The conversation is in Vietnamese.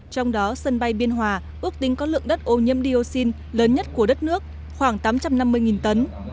trong đó sân bay biên hòa ước tính có lượng đất ô nhiễm dioxin lớn nhất của đất nước khoảng tám trăm năm mươi tấn